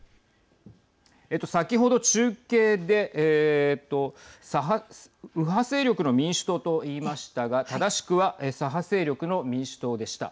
先ほど中継で右派勢力の民主党と言いましたが、正しくは左派勢力の民主党でした。